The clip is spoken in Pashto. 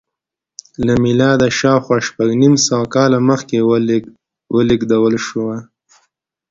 له میلاده شاوخوا شپږ نیم سوه کاله مخکې ولېږدول شوه